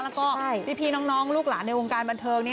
แล้วก็พี่น้องลูกหลานในวงการบันเทิงนี้